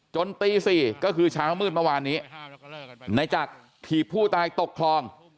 ตี๔ก็คือเช้ามืดเมื่อวานนี้ในจักรถีบผู้ตายตกคลอง